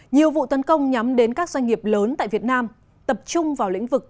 nhiều vụ tấn công nhắm đến các doanh nghiệp lớn tại việt nam tập trung vào lĩnh vực